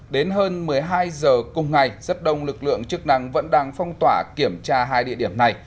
đến hơn một mươi hai h cùng ngày rất đông lực lượng chức năng vẫn đang phong tỏa kiểm tra hai địa điểm này